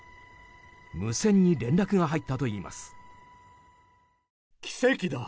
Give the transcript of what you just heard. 無線に連絡が入ったといいます。